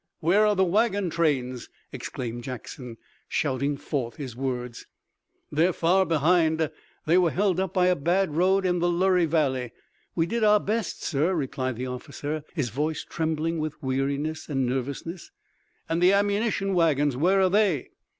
"Where are the wagon trains?" exclaimed Jackson, shouting forth his words. "They're far behind. They were held up by a bad road in the Luray valley. We did our best, sir," replied the officer, his voice trembling with weariness and nervousness. "And the ammunition wagons, where are they?"